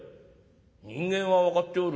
「人間は分かっておる。